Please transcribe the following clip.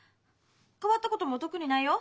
変わったことも特にないよ。